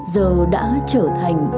giờ đã trở thành